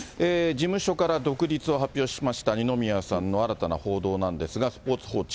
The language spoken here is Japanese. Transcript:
事務所から独立を発表しました二宮さんの新たな報道なんですが、スポーツ報知。